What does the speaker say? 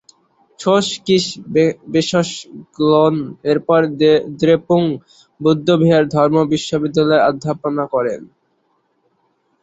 ছোস-ক্যি-ব্শেস-গ্ন্যেন এরপর দ্রেপুং বৌদ্ধবিহারে ধর্ম বিশ্ববিদ্যালয়ে অধ্যাপনা করেন।